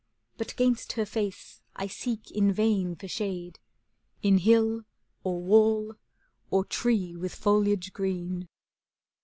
But 'gainst her face I seek in vain for shade. In hill, or wall, or tree with foliage green.